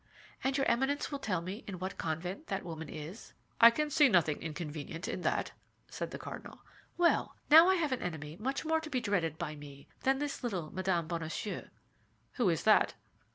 "And your Eminence will tell me in what convent that woman is?" "I can see nothing inconvenient in that," said the cardinal. "Well, now I have an enemy much more to be dreaded by me than this little Madame Bonacieux." "Who is that?"